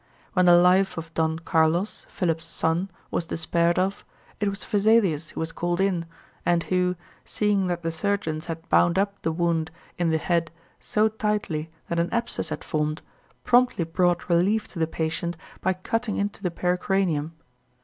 When the life of Don Carlos, Philip's son, was despaired of, it was Vesalius who was called in, and who, seeing that the surgeons had bound up the wound in the head so tightly that an abscess had formed, promptly brought relief to the patient by cutting into the pericranium.